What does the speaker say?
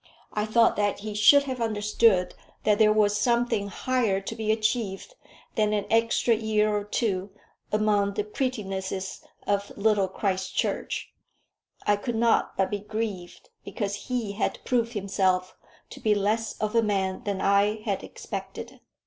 I thought that he should have understood that there was something higher to be achieved than an extra year or two among the prettinesses of Little Christchurch. I could not but be grieved because he had proved himself to be less of a man than I had expected.